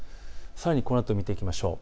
さらにこのあとを見ていきましょう。